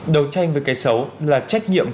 đầu tranh với cái xấu là trách nhiệm